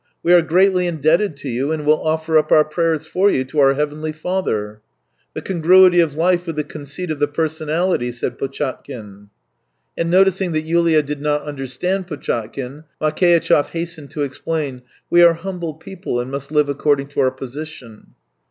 " We are greatly indebted to you, and will offer up our prayers for you to our Heavenly Father." THREE YEARS 303 " The congniity of life with the conceit of the personality," said Potchatkin. And noticing that Yulia did not understand Potchatkin, Makeitchev hastened to explain: " We are humble people and must live according to our position."